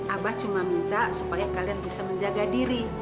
abah cuma minta supaya kalian bisa menjaga diri